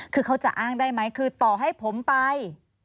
คือเขาจะอ้างได้ไหมคือต่อให้ผมไป